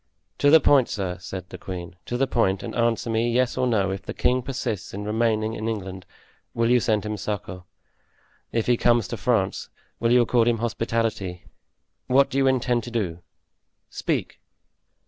"To the point, sir," said the queen, "to the point, and answer me, yes or no; if the king persists in remaining in England will you send him succor? If he comes to France will you accord him hospitality? What do you intend to do? Speak."